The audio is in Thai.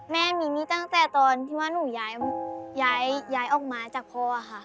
แม่มีหนี้ตั้งแต่ตอนที่ว่าหนูย้ายออกมาจากพ่อค่ะ